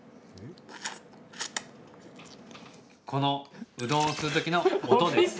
この、うどんを吸う時の音です。